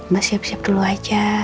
masih siap siap dulu aja